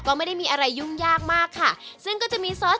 จาจังมียอน